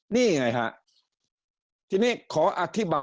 นี่ไงฮะทีนี้ขออธิบาย